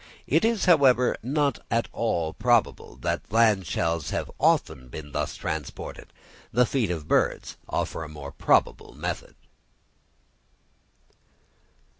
It is, however, not at all probable that land shells have often been thus transported; the feet of birds offer a more probable method.